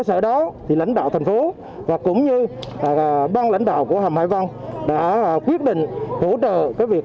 sở đó thì lãnh đạo thành phố và cũng như ban lãnh đạo của hầm hải vân đã quyết định hỗ trợ cái việc